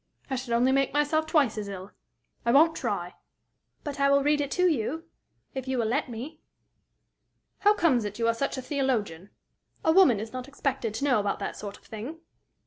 I should only make myself twice as ill. I won't try." "But I will read to you, if you will let me." "How comes it you are such a theologian? A woman is not expected to know about that sort of thing."